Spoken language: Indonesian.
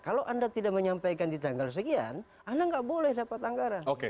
kalau anda tidak menyampaikan di tanggal sekian anda nggak boleh dapat anggaran